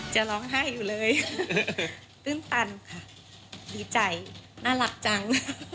จะร้องไห้อยู่เลยตื้นตันค่ะดีใจน่ารักจัง